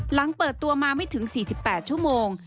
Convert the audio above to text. หลังเปิดตัวมาไม่ถึง๔๘ชั่วโมง